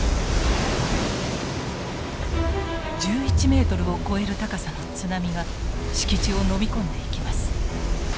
１１メートルを超える高さの津波が敷地をのみ込んでいきます。